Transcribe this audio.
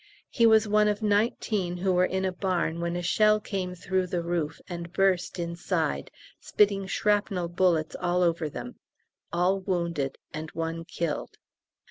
He was one of nineteen who were in a barn when a shell came through the roof and burst inside, spitting shrapnel bullets all over them; all wounded and one killed.